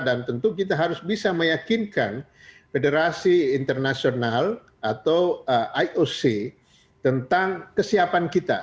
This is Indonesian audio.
dan tentu kita harus bisa meyakinkan federasi internasional atau ioc tentang kesiapan kita